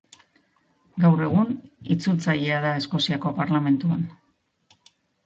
Gaur egun, itzultzailea da Eskoziako Parlamentuan.